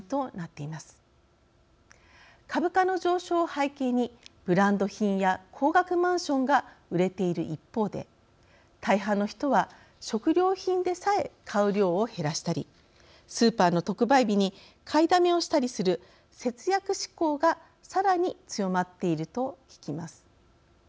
株価の上昇を背景にブランド品や高額マンションが売れている一方で大半の人は食料品でさえ買う量を減らしたりスーパーの特売日に買いだめをしたりする節約志向がさらに強まっていると聞きます。